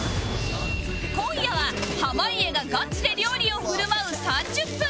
今夜は濱家がガチで料理を振る舞う３０分